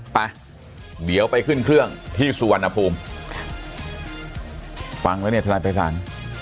ไปเดี๋ยวไปขึ้นเครื่องที่สุวรรณภูมิฟังแล้วเนี่ยทนายภัยศาล